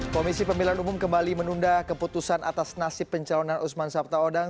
komisi pemilihan umum kembali menunda keputusan atas nasib pencalonan usman sabta odang